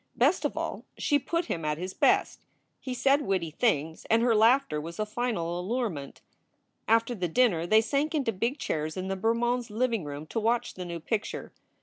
Best of all, she put him at his best. He said witty things, and her laughter was a final allurement. After the dinner they sank into big chairs in the Ber monds living room to watch the new picture.